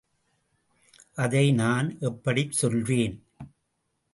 அதை நான் எப்படிச் சொல்வேன்?